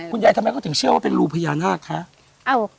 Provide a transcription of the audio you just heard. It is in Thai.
ทำไมเขาถึงเชื่อว่าเป็นรูพญานาคคะ